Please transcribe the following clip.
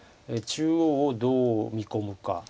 中央をどう見込むか。